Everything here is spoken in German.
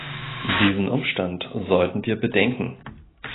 Diesen Umstand sollten wir bedenken.